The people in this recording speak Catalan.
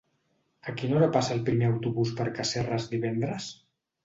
A quina hora passa el primer autobús per Casserres divendres?